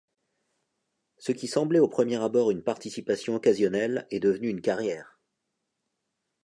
Ce qui semblait au premier abord une participation occasionnelle est devenu une carrière.